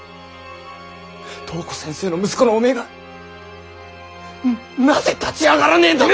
東湖先生の息子のおめえがなぜ立ち上がらねぇんだと。